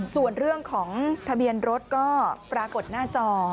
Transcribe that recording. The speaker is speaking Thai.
ส่วนเรื่องของทะเบียนรถก็ปรากฏหน้าจอ